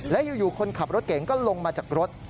และอยู่คนขับรถเก่งก็ลงมาจากรถ